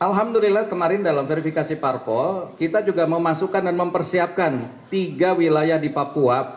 alhamdulillah kemarin dalam verifikasi parpol kita juga memasukkan dan mempersiapkan tiga wilayah di papua